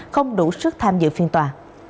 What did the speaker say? không đủ sức tham dự phiên tòa